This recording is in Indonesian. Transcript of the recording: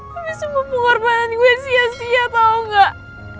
tapi sungguh pengorbanan gue sia sia tau gak